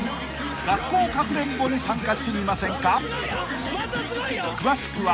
学校かくれんぼに参加してみませんか？］